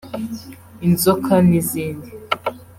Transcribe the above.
inzoka n’izindi